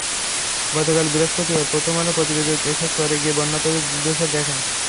গতকাল বৃহস্পতিবার প্রথম আলোর প্রতিবেদক এসব চরে গিয়ে বন্যার্তদের দুর্দশা দেখেন।